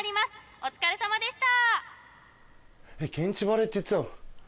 お疲れさまでした